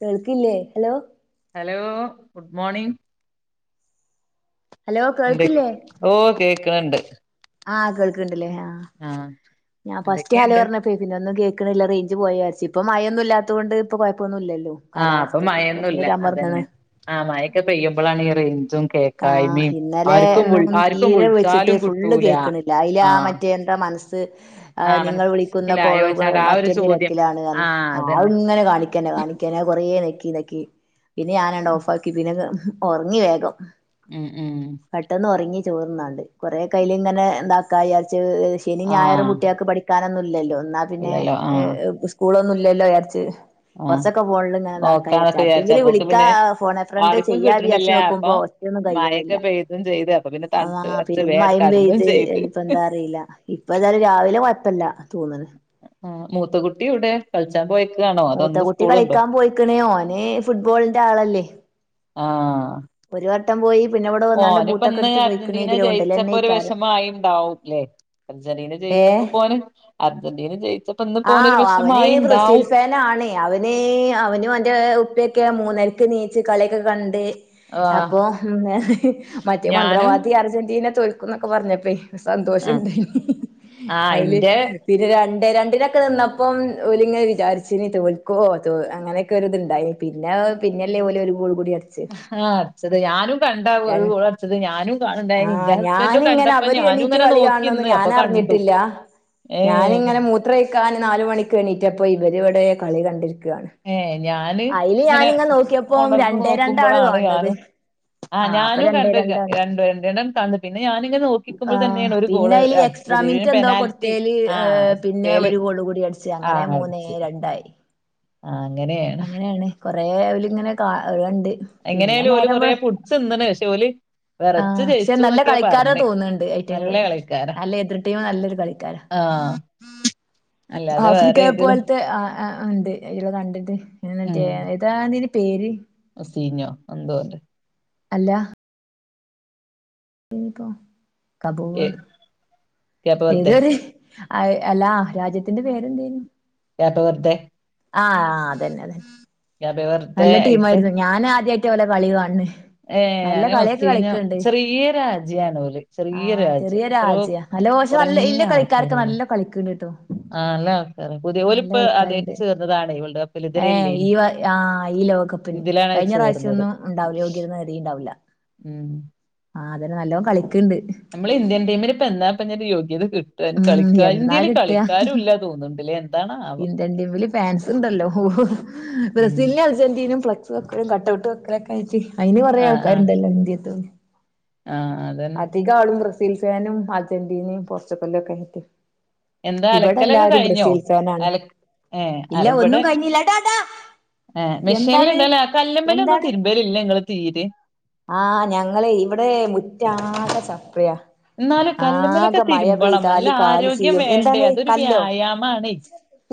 കേൾക്കില്ലേ hello hello good morning hello ന്തെ കേൾക്കില്ലേ ഓ കേക്ക്ണ് ണ്ട് ആഹ് കേൾക്ക്ണ്ട് ല്ലേ ആഹ് ആഹ്‌ ഞാൻ ഫസ്റ്റ് ഹലോ പർഞ്ഞപെ പിന്നെന്നും കേക്കണില്ല റേഞ്ച് പോയാരിച്ച് ഇപ്പ മയൊന്നും ഇല്ലാത്തോണ്ട് ഇപ്പൊകൊയപ്പൊന്നുല്ലല്ലോ ആഹ് പ്പൊ മയൊന്നില്ല അതന്നെ ആ മയൊക്കെ പെയ്യുമ്പോളാണ് ഈ റഞ്ചും കേ ആഹ് ഇന്നലെ ന്നും തീരെ വെച്ചിട്ട് വിളിച്ചാലും ഫുള്ള് കിട്ടൂല കേക്ക്‌ണില്ല അയ്ലാ ആഹ് മറ്റേ എ മൻസ്സ് ഏ ആഹ് നിങ്ങൾ വിളിക്കുന്ന കോളുകൾ മനസ്സിലായോച്ചാണ്ട് ആ ഒരു മറ്റൊരു ചോദ്യം തിരക്കിലാണ്ന്നർ ഞ്ഞ് ആഹ് അതന്നെ ആഹ്ങ്ങനെ കാണിക്കന്നെ കാണിക്കന്നെ കൊറേ നെക്കി നെക്കി പിന്നെ ഞാനണ്ടോഫാക്കി പിന്നെ ഒർങ്ങി വേഗം ഉം ഉം പെട്ടെന്നൊറങ്ങി ചോർന്നാണ്ട് കുറെക്കയില് ങ്ങനെ ണ്ടാക്കാജാരിച്ച് ശനി ഞായറും ആഹ് കൂ ക്ക് പഠിക്കാനൊന്നുല്ലല്ലോ ന്നാ പിന്നെ ഇല്ലല്ലോ ആഹ് സ്കൂളൊന്നുംല്ലല്ലോ ജാരിച്ച് ആഹ് കൊറച്ചൊക്കെ ഫോണിൽ ങ്ങനെതാക്കാ വിചാര്ച്ചാ നോക്കാന്നൊക്കെ വിചാരിച്ച ആർക്കെങ്കിലും അപ്പോക്ക് വിളിക്ക പിന്നെ ഫോണോ ഫ്രണ്ട് ആർക്കും ചെയ്യാ കിട്ട്ണില്ല വിചാരിച്ച് അപ്പൊ നോക്കുമ്പോ ന്നും കയ്യണില്ല മഴൊക്കെ പെയ്തും ചെയ്ത് അപ്പൊ പിന്നെ ആ തണുത്ത് വെറച്ച് വേണ്ട് പെരുംമയേം കടന്നും ചെയ്ത് പെയ്ത്എനിപ്പെന്താറീല ഇപ്പന്തായാലും രാവിലെ കൊയപ്പല്ല തോന്ന്ണ് ഉം മൂത്തക്കുട്ടി എവ്ടെ കൾച്ചാൻ പോയ് മൂത്തക്കുട്ടി കളിക്കാൻ പോയിക്ക്ണ് ഓന് ഫുട്ബോൾന്റെ ആളല്ലേ ആഹ് ഒരു വട്ടം പോയി പിന്നെ ഇവിടെ വന്നാണ്ട് ബൂട്ടൊക്കെ ഓന്പ്പോന്ന് എടുത്ത് പോയിക്കണ് അർജന്റീന ഗ്രൗണ്ടിൽ ജയിച്ചപ്പോ തന്നെ ഒരു ഇക്കാരം വെഷമായിണ്ടാവും ല്ലേ അർജന്റീന ജയിച്ചപ്പോ ഏഹ് പോലും അർജന്റീന ജയിച്ച ആഹ് അവന് ബ്രസീൽഫൻ ആണ് അവന് അവനും അവന്റെ ഉപ്പയൊക്കെ മൂന്നരക്ക്നീച്ച് കളിയൊക്കെ കണ്ട് ആഹ് അപ്പൊ പിന്നെ മറ്റേ ഞാനും മന്ത്രവാദി അർജന്റീന തോൽക്കുന്നൊക്കെ പറഞ്ഞപ്പേ- ആഹ് സന്തോഷൊണ്ടായി ആഹ് അതില് ഇന്റെ പിന്നെ രണ്ടേ രണ്ടിന നിന്നപ്പം ഓലിങ്ങനെ വിചാരിച്ചനി തോൽക്കോ അങ്ങനെയൊക്കെ ഒരിത്ണ്ടായി- പിന്നെ പിന്നല്ലേ ഓല് ഒരു ഗോള് കൂടി അടിച്ച് - ആഹ് അടിച്ചത് ഞാനും കണ്ടാർന്നു ഒരു രൺ ഗോളടിച്ചത് ഞാനും കാണണ്ടായിരുന്നു എന്റെ ആഹ് ഹസ്ബൻറും കണ്ട- ഞാനിങ്ങനെ അപ്പൊ അവര് എണീറ്റ് ഞാനിങ്ങനെ കളി കാണണൊന്നും നോക്കിന്ന് അപ്പൊ കണ്ടു ഞാനറിഞ്ഞിട്ടില്ല ഏഹ് - ഇക്കാ നാല് മണിക്ക് എണീറ്റപ്പൊ ഇവരിവിടെ കളി കണ്ടിരിക്കുയാണ് ഏഹ് ഞാന് ഇങ്ങനെ നോക്കിയപ്പം ഒണർന്നു രണ്ടേ രണ്ടാണ് നോക്കുമ്പോളാണ് കാണ് കാണണത് ആഹ് അപ്പൊ ഞാനും രണ്ടേ കണ്ടില്ല രണ്ടാണ് രണ്ട് രണ്ടെണ്ണം ക പിന്നെ ഞാനിങ്ങനെ നോക്കിക്കുമ്പോൾ തന്നെയാണ് ഒരു ഗോള് പിന്നെ ഇത്രമിനിറ്റ് എന്താ പെനാൽറ്റി കൊടുത്തല് ആ പിന്നെ എസ്പേല് ഒരു ഗോള് - കൂടി അടിച്ച് ആ അങ്ങനെ മൂന്നേ അടിച്ച് രണ്ടായി അങ്ങനെയാണ് കൊറെ അവലിങ്ങനെ കാണലൊണ്ട് എങ്ങനെയാലും ഓല് കൊറെേ പുടിച്ച് നിന്ന്ണ് ഷോയില്- ആഹ് പക്ഷെ നല്ല കളിക്കാരാ തോന്നുന്നുണ്ട് നല്ല ഐറ്റങ്ങള് നല്ല എതിർട്ടീമ നല്ലൊരു കളിക്കാരാ- ആഹ് ആഫ്രിക്കെ പോലത്തെ ആഹ് ആഹ് ഉണ്ട് ഇല കണ്ടിട്ട് മറ്റെ ആ എന്താ നിന്റെ പേര് അസീഞ്ഞോ എന്തൊതുല്ലേ അല്ല ഏ, കബോഡ ക്യാപ് വെർദെ ഏതൊരു അല്ലാ രാജ്യത്തിന്റെ പേരെന്തേനും ക്യാപ് വെർദെ ആഹ് അതന്നെ തന്നെ ക്യാപ് വെർദെ നല്ല ആയിട്ട് ടീയിരുന്നു ഞാന് ആദ്യമായിട്ടാ അവര്ടെ കളി കാണണേ ഏനെ മുസ്ലിനൊ ചെറിയ രാജ്യണര് ആ ചെറിയ ചെറിയ രാജ്യം അത്രോ രാജ്യ നല്ല മോശം നല്ല ഇല്ല കളിക്കാരൊക്കെ നല്ല കളിക്കണ്ടി കേട്ടോ ആണല്ല പുതിയ ഓലിപ്പ ആദ്യായിട്ട് ചേർന്നതാണ് ഇവൾടൊപ്പം ഏഹ് ഈ ആഹ് ഈ ലോകകപ്പിന് ഇതിലാണ് കഴിഞ്ഞ ചേർന്നത് പ്രാവശ്യൊന്നും ഉണ്ടാവില്ല യോഗ്യത നേടിട്ടുണ്ടാവില്ല ഉം ആഹ് അതെന്നെ നല്ലോണം കളിക്കണ്ട് നമ്മള് ഇന്ത്യൻടീമിന് ഇപ്പോ എന്നായിപ്പ ഒരു യോഗ്യത കിട്ടും അതിന് ഉം കളിക്ക എന്നാ ഇന്ത്യയിൽ കിട്ടാ കളിക്ക- ക്കാരും ഇല്ല തോന്നുന്നുണ്ടില്ലേ എന്താണോ ഇന്ത്യൻ ടീമില് ഫാൻസ് ഉണ്ടല്ലോ ഉം ബ്രസീല് - അർജന്റീനയും ഫ്ലക്സ് വക്കും കട്ട്ഔട്ട് വെക്കലൊക്കെ ആയിട്ട് അയ്ന് കൊറേ ആൾക്കാരുണ്ടല്ലോ ഇന്ത്യക്ക് - ആഹ് അതെ അധികം ആളും ബ്രസീൽ ഫാനും അർജന്റീനയും പോർച്ചുഗലും ഒക്കെ ആയിട്ട് എന്താ ഇവിടെ അലക്കലൊക്കെ എല്ലാരും കഴിഞ്ഞോ ബ്രസീൽ ഫാനാണ് അല ഏ ഇല്ല ഒന്നും കഴിഞ്ഞില്ലാ ടാടാ ആഹ് മെഷീനിലിടലാ കല്ല്മ്മേല് ഒന്നും എന്താണ് തിരുമ്പലില്ലേ നിങ്ങള് തീരെ ആഹ് ഞങ്ങള് ഇവിടെ മുറ്റാകെ ചപ്രിയ- എന്നാലും കല്ലുമ്മലൊക്കെ ആകെ മഴ തിരുമ്പണം നല്ല പെയ്താല് കല് ആരോഗ്യം ചീയ്യും വേണ്ടേ എന്താണ് അതൊരു കല്ലോ? വ്യായാമാണേ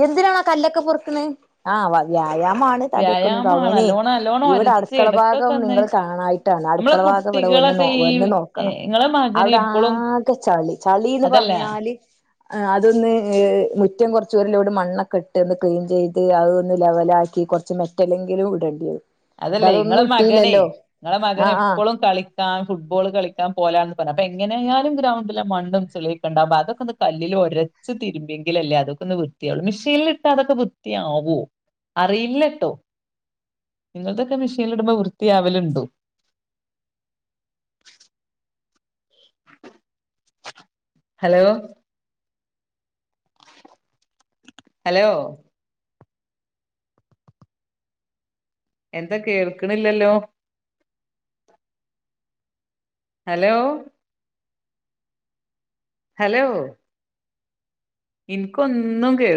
എന്തിനാണാ കല്ലൊക്കെ പൊറക്കുന്നത് ആ വ്യായാമാണ് വ്യായാമാണ് [unintelligible] നല്ലോണം നല്ലോണം ഇവിടെ ഒരച്ച് അടുക്കള എടക്കൊക്കെ ഭാഗം ഒന്ന് നിങ്ങൾ കാണാഞ്ഞിട്ടാണ് നമ്മളെ അടുക്കള ഭാഗ ടെ വന്ന് കുട്ടികളൊക്കെ ഈ വന്ന് നോക്കണം ഇങ്ങളെ മകന് അവിടെ എപ്പളും ആകെ ചളി ചളിന്ന് അതല്ല പറഞ്ഞാല് അതൊന്ന്് മുറ്റം കൊറച്ച് ഒരുലോട് മണ്ണൊക്കെ ഇട്ട് ഒന്ന് ക്ലീൻ ചെയ്ത് അതൊന്ന് ലെവലാക്കി കൊ ച്ച് മെറ്റലെങ്കിലും ഇടണ്ടിയോരും അതല്ലേ ഇങ്ങളെ മകനെ ഇങ്ങളെ മകനെ ആഹ് ആഹ് എപ്പളും കളി ക്കാഫുട്ബോൾ കളിക്കാൻ പോലാണന്ന് പറഞ്ഞ അപ്പൊ എങ്ങനെയാലും ഗ്രൗണ്ടില് മണ്ണും ചളിക്കൊണ്ടാകു അതൊക്കൊന്ന് കല്ലിൽ ഒര ച്ച് തിരുമ്പിയെങ്കിലല്ലേ അതൊക്കൊന്നുവൃത്തിയാവുള്ളു, മിഷീനിലിട്ടാ അതൊക്കെ വൃത്തിയാകോ അറിയില്ലേട്ടോ നിങ്ങളതൊക്കെ മെഷീനിലിടുമ്പോ വൃത്തിയാവലുണ്ടോ ഹലോ ഹലോ എന്താ കേൾക്ക്ണില്ലല്ലോ ഹലോ ഹലോ എനിക്കൊന്നും കേൾ